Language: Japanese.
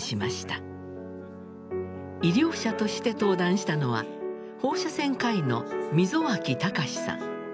医療者として登壇したのは放射線科医の溝脇尚志さん。